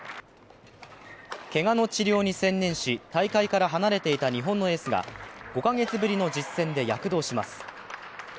けがの治療に専念し大会から離れていた日本のエースが、５カ月ぶりの実戦で躍動します。